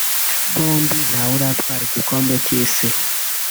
Bombi ntawuratwara igikombe cy’Isi